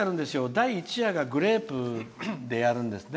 第１夜がグレープでやるんですね。